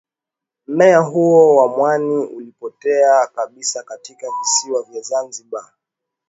Mmea huo wa mwani ulipotea kabisa katika visiwa vya Zanzibar